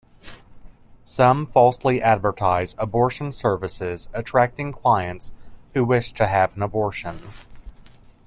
Some falsely advertise abortion services, attracting clients who wish to have an abortion.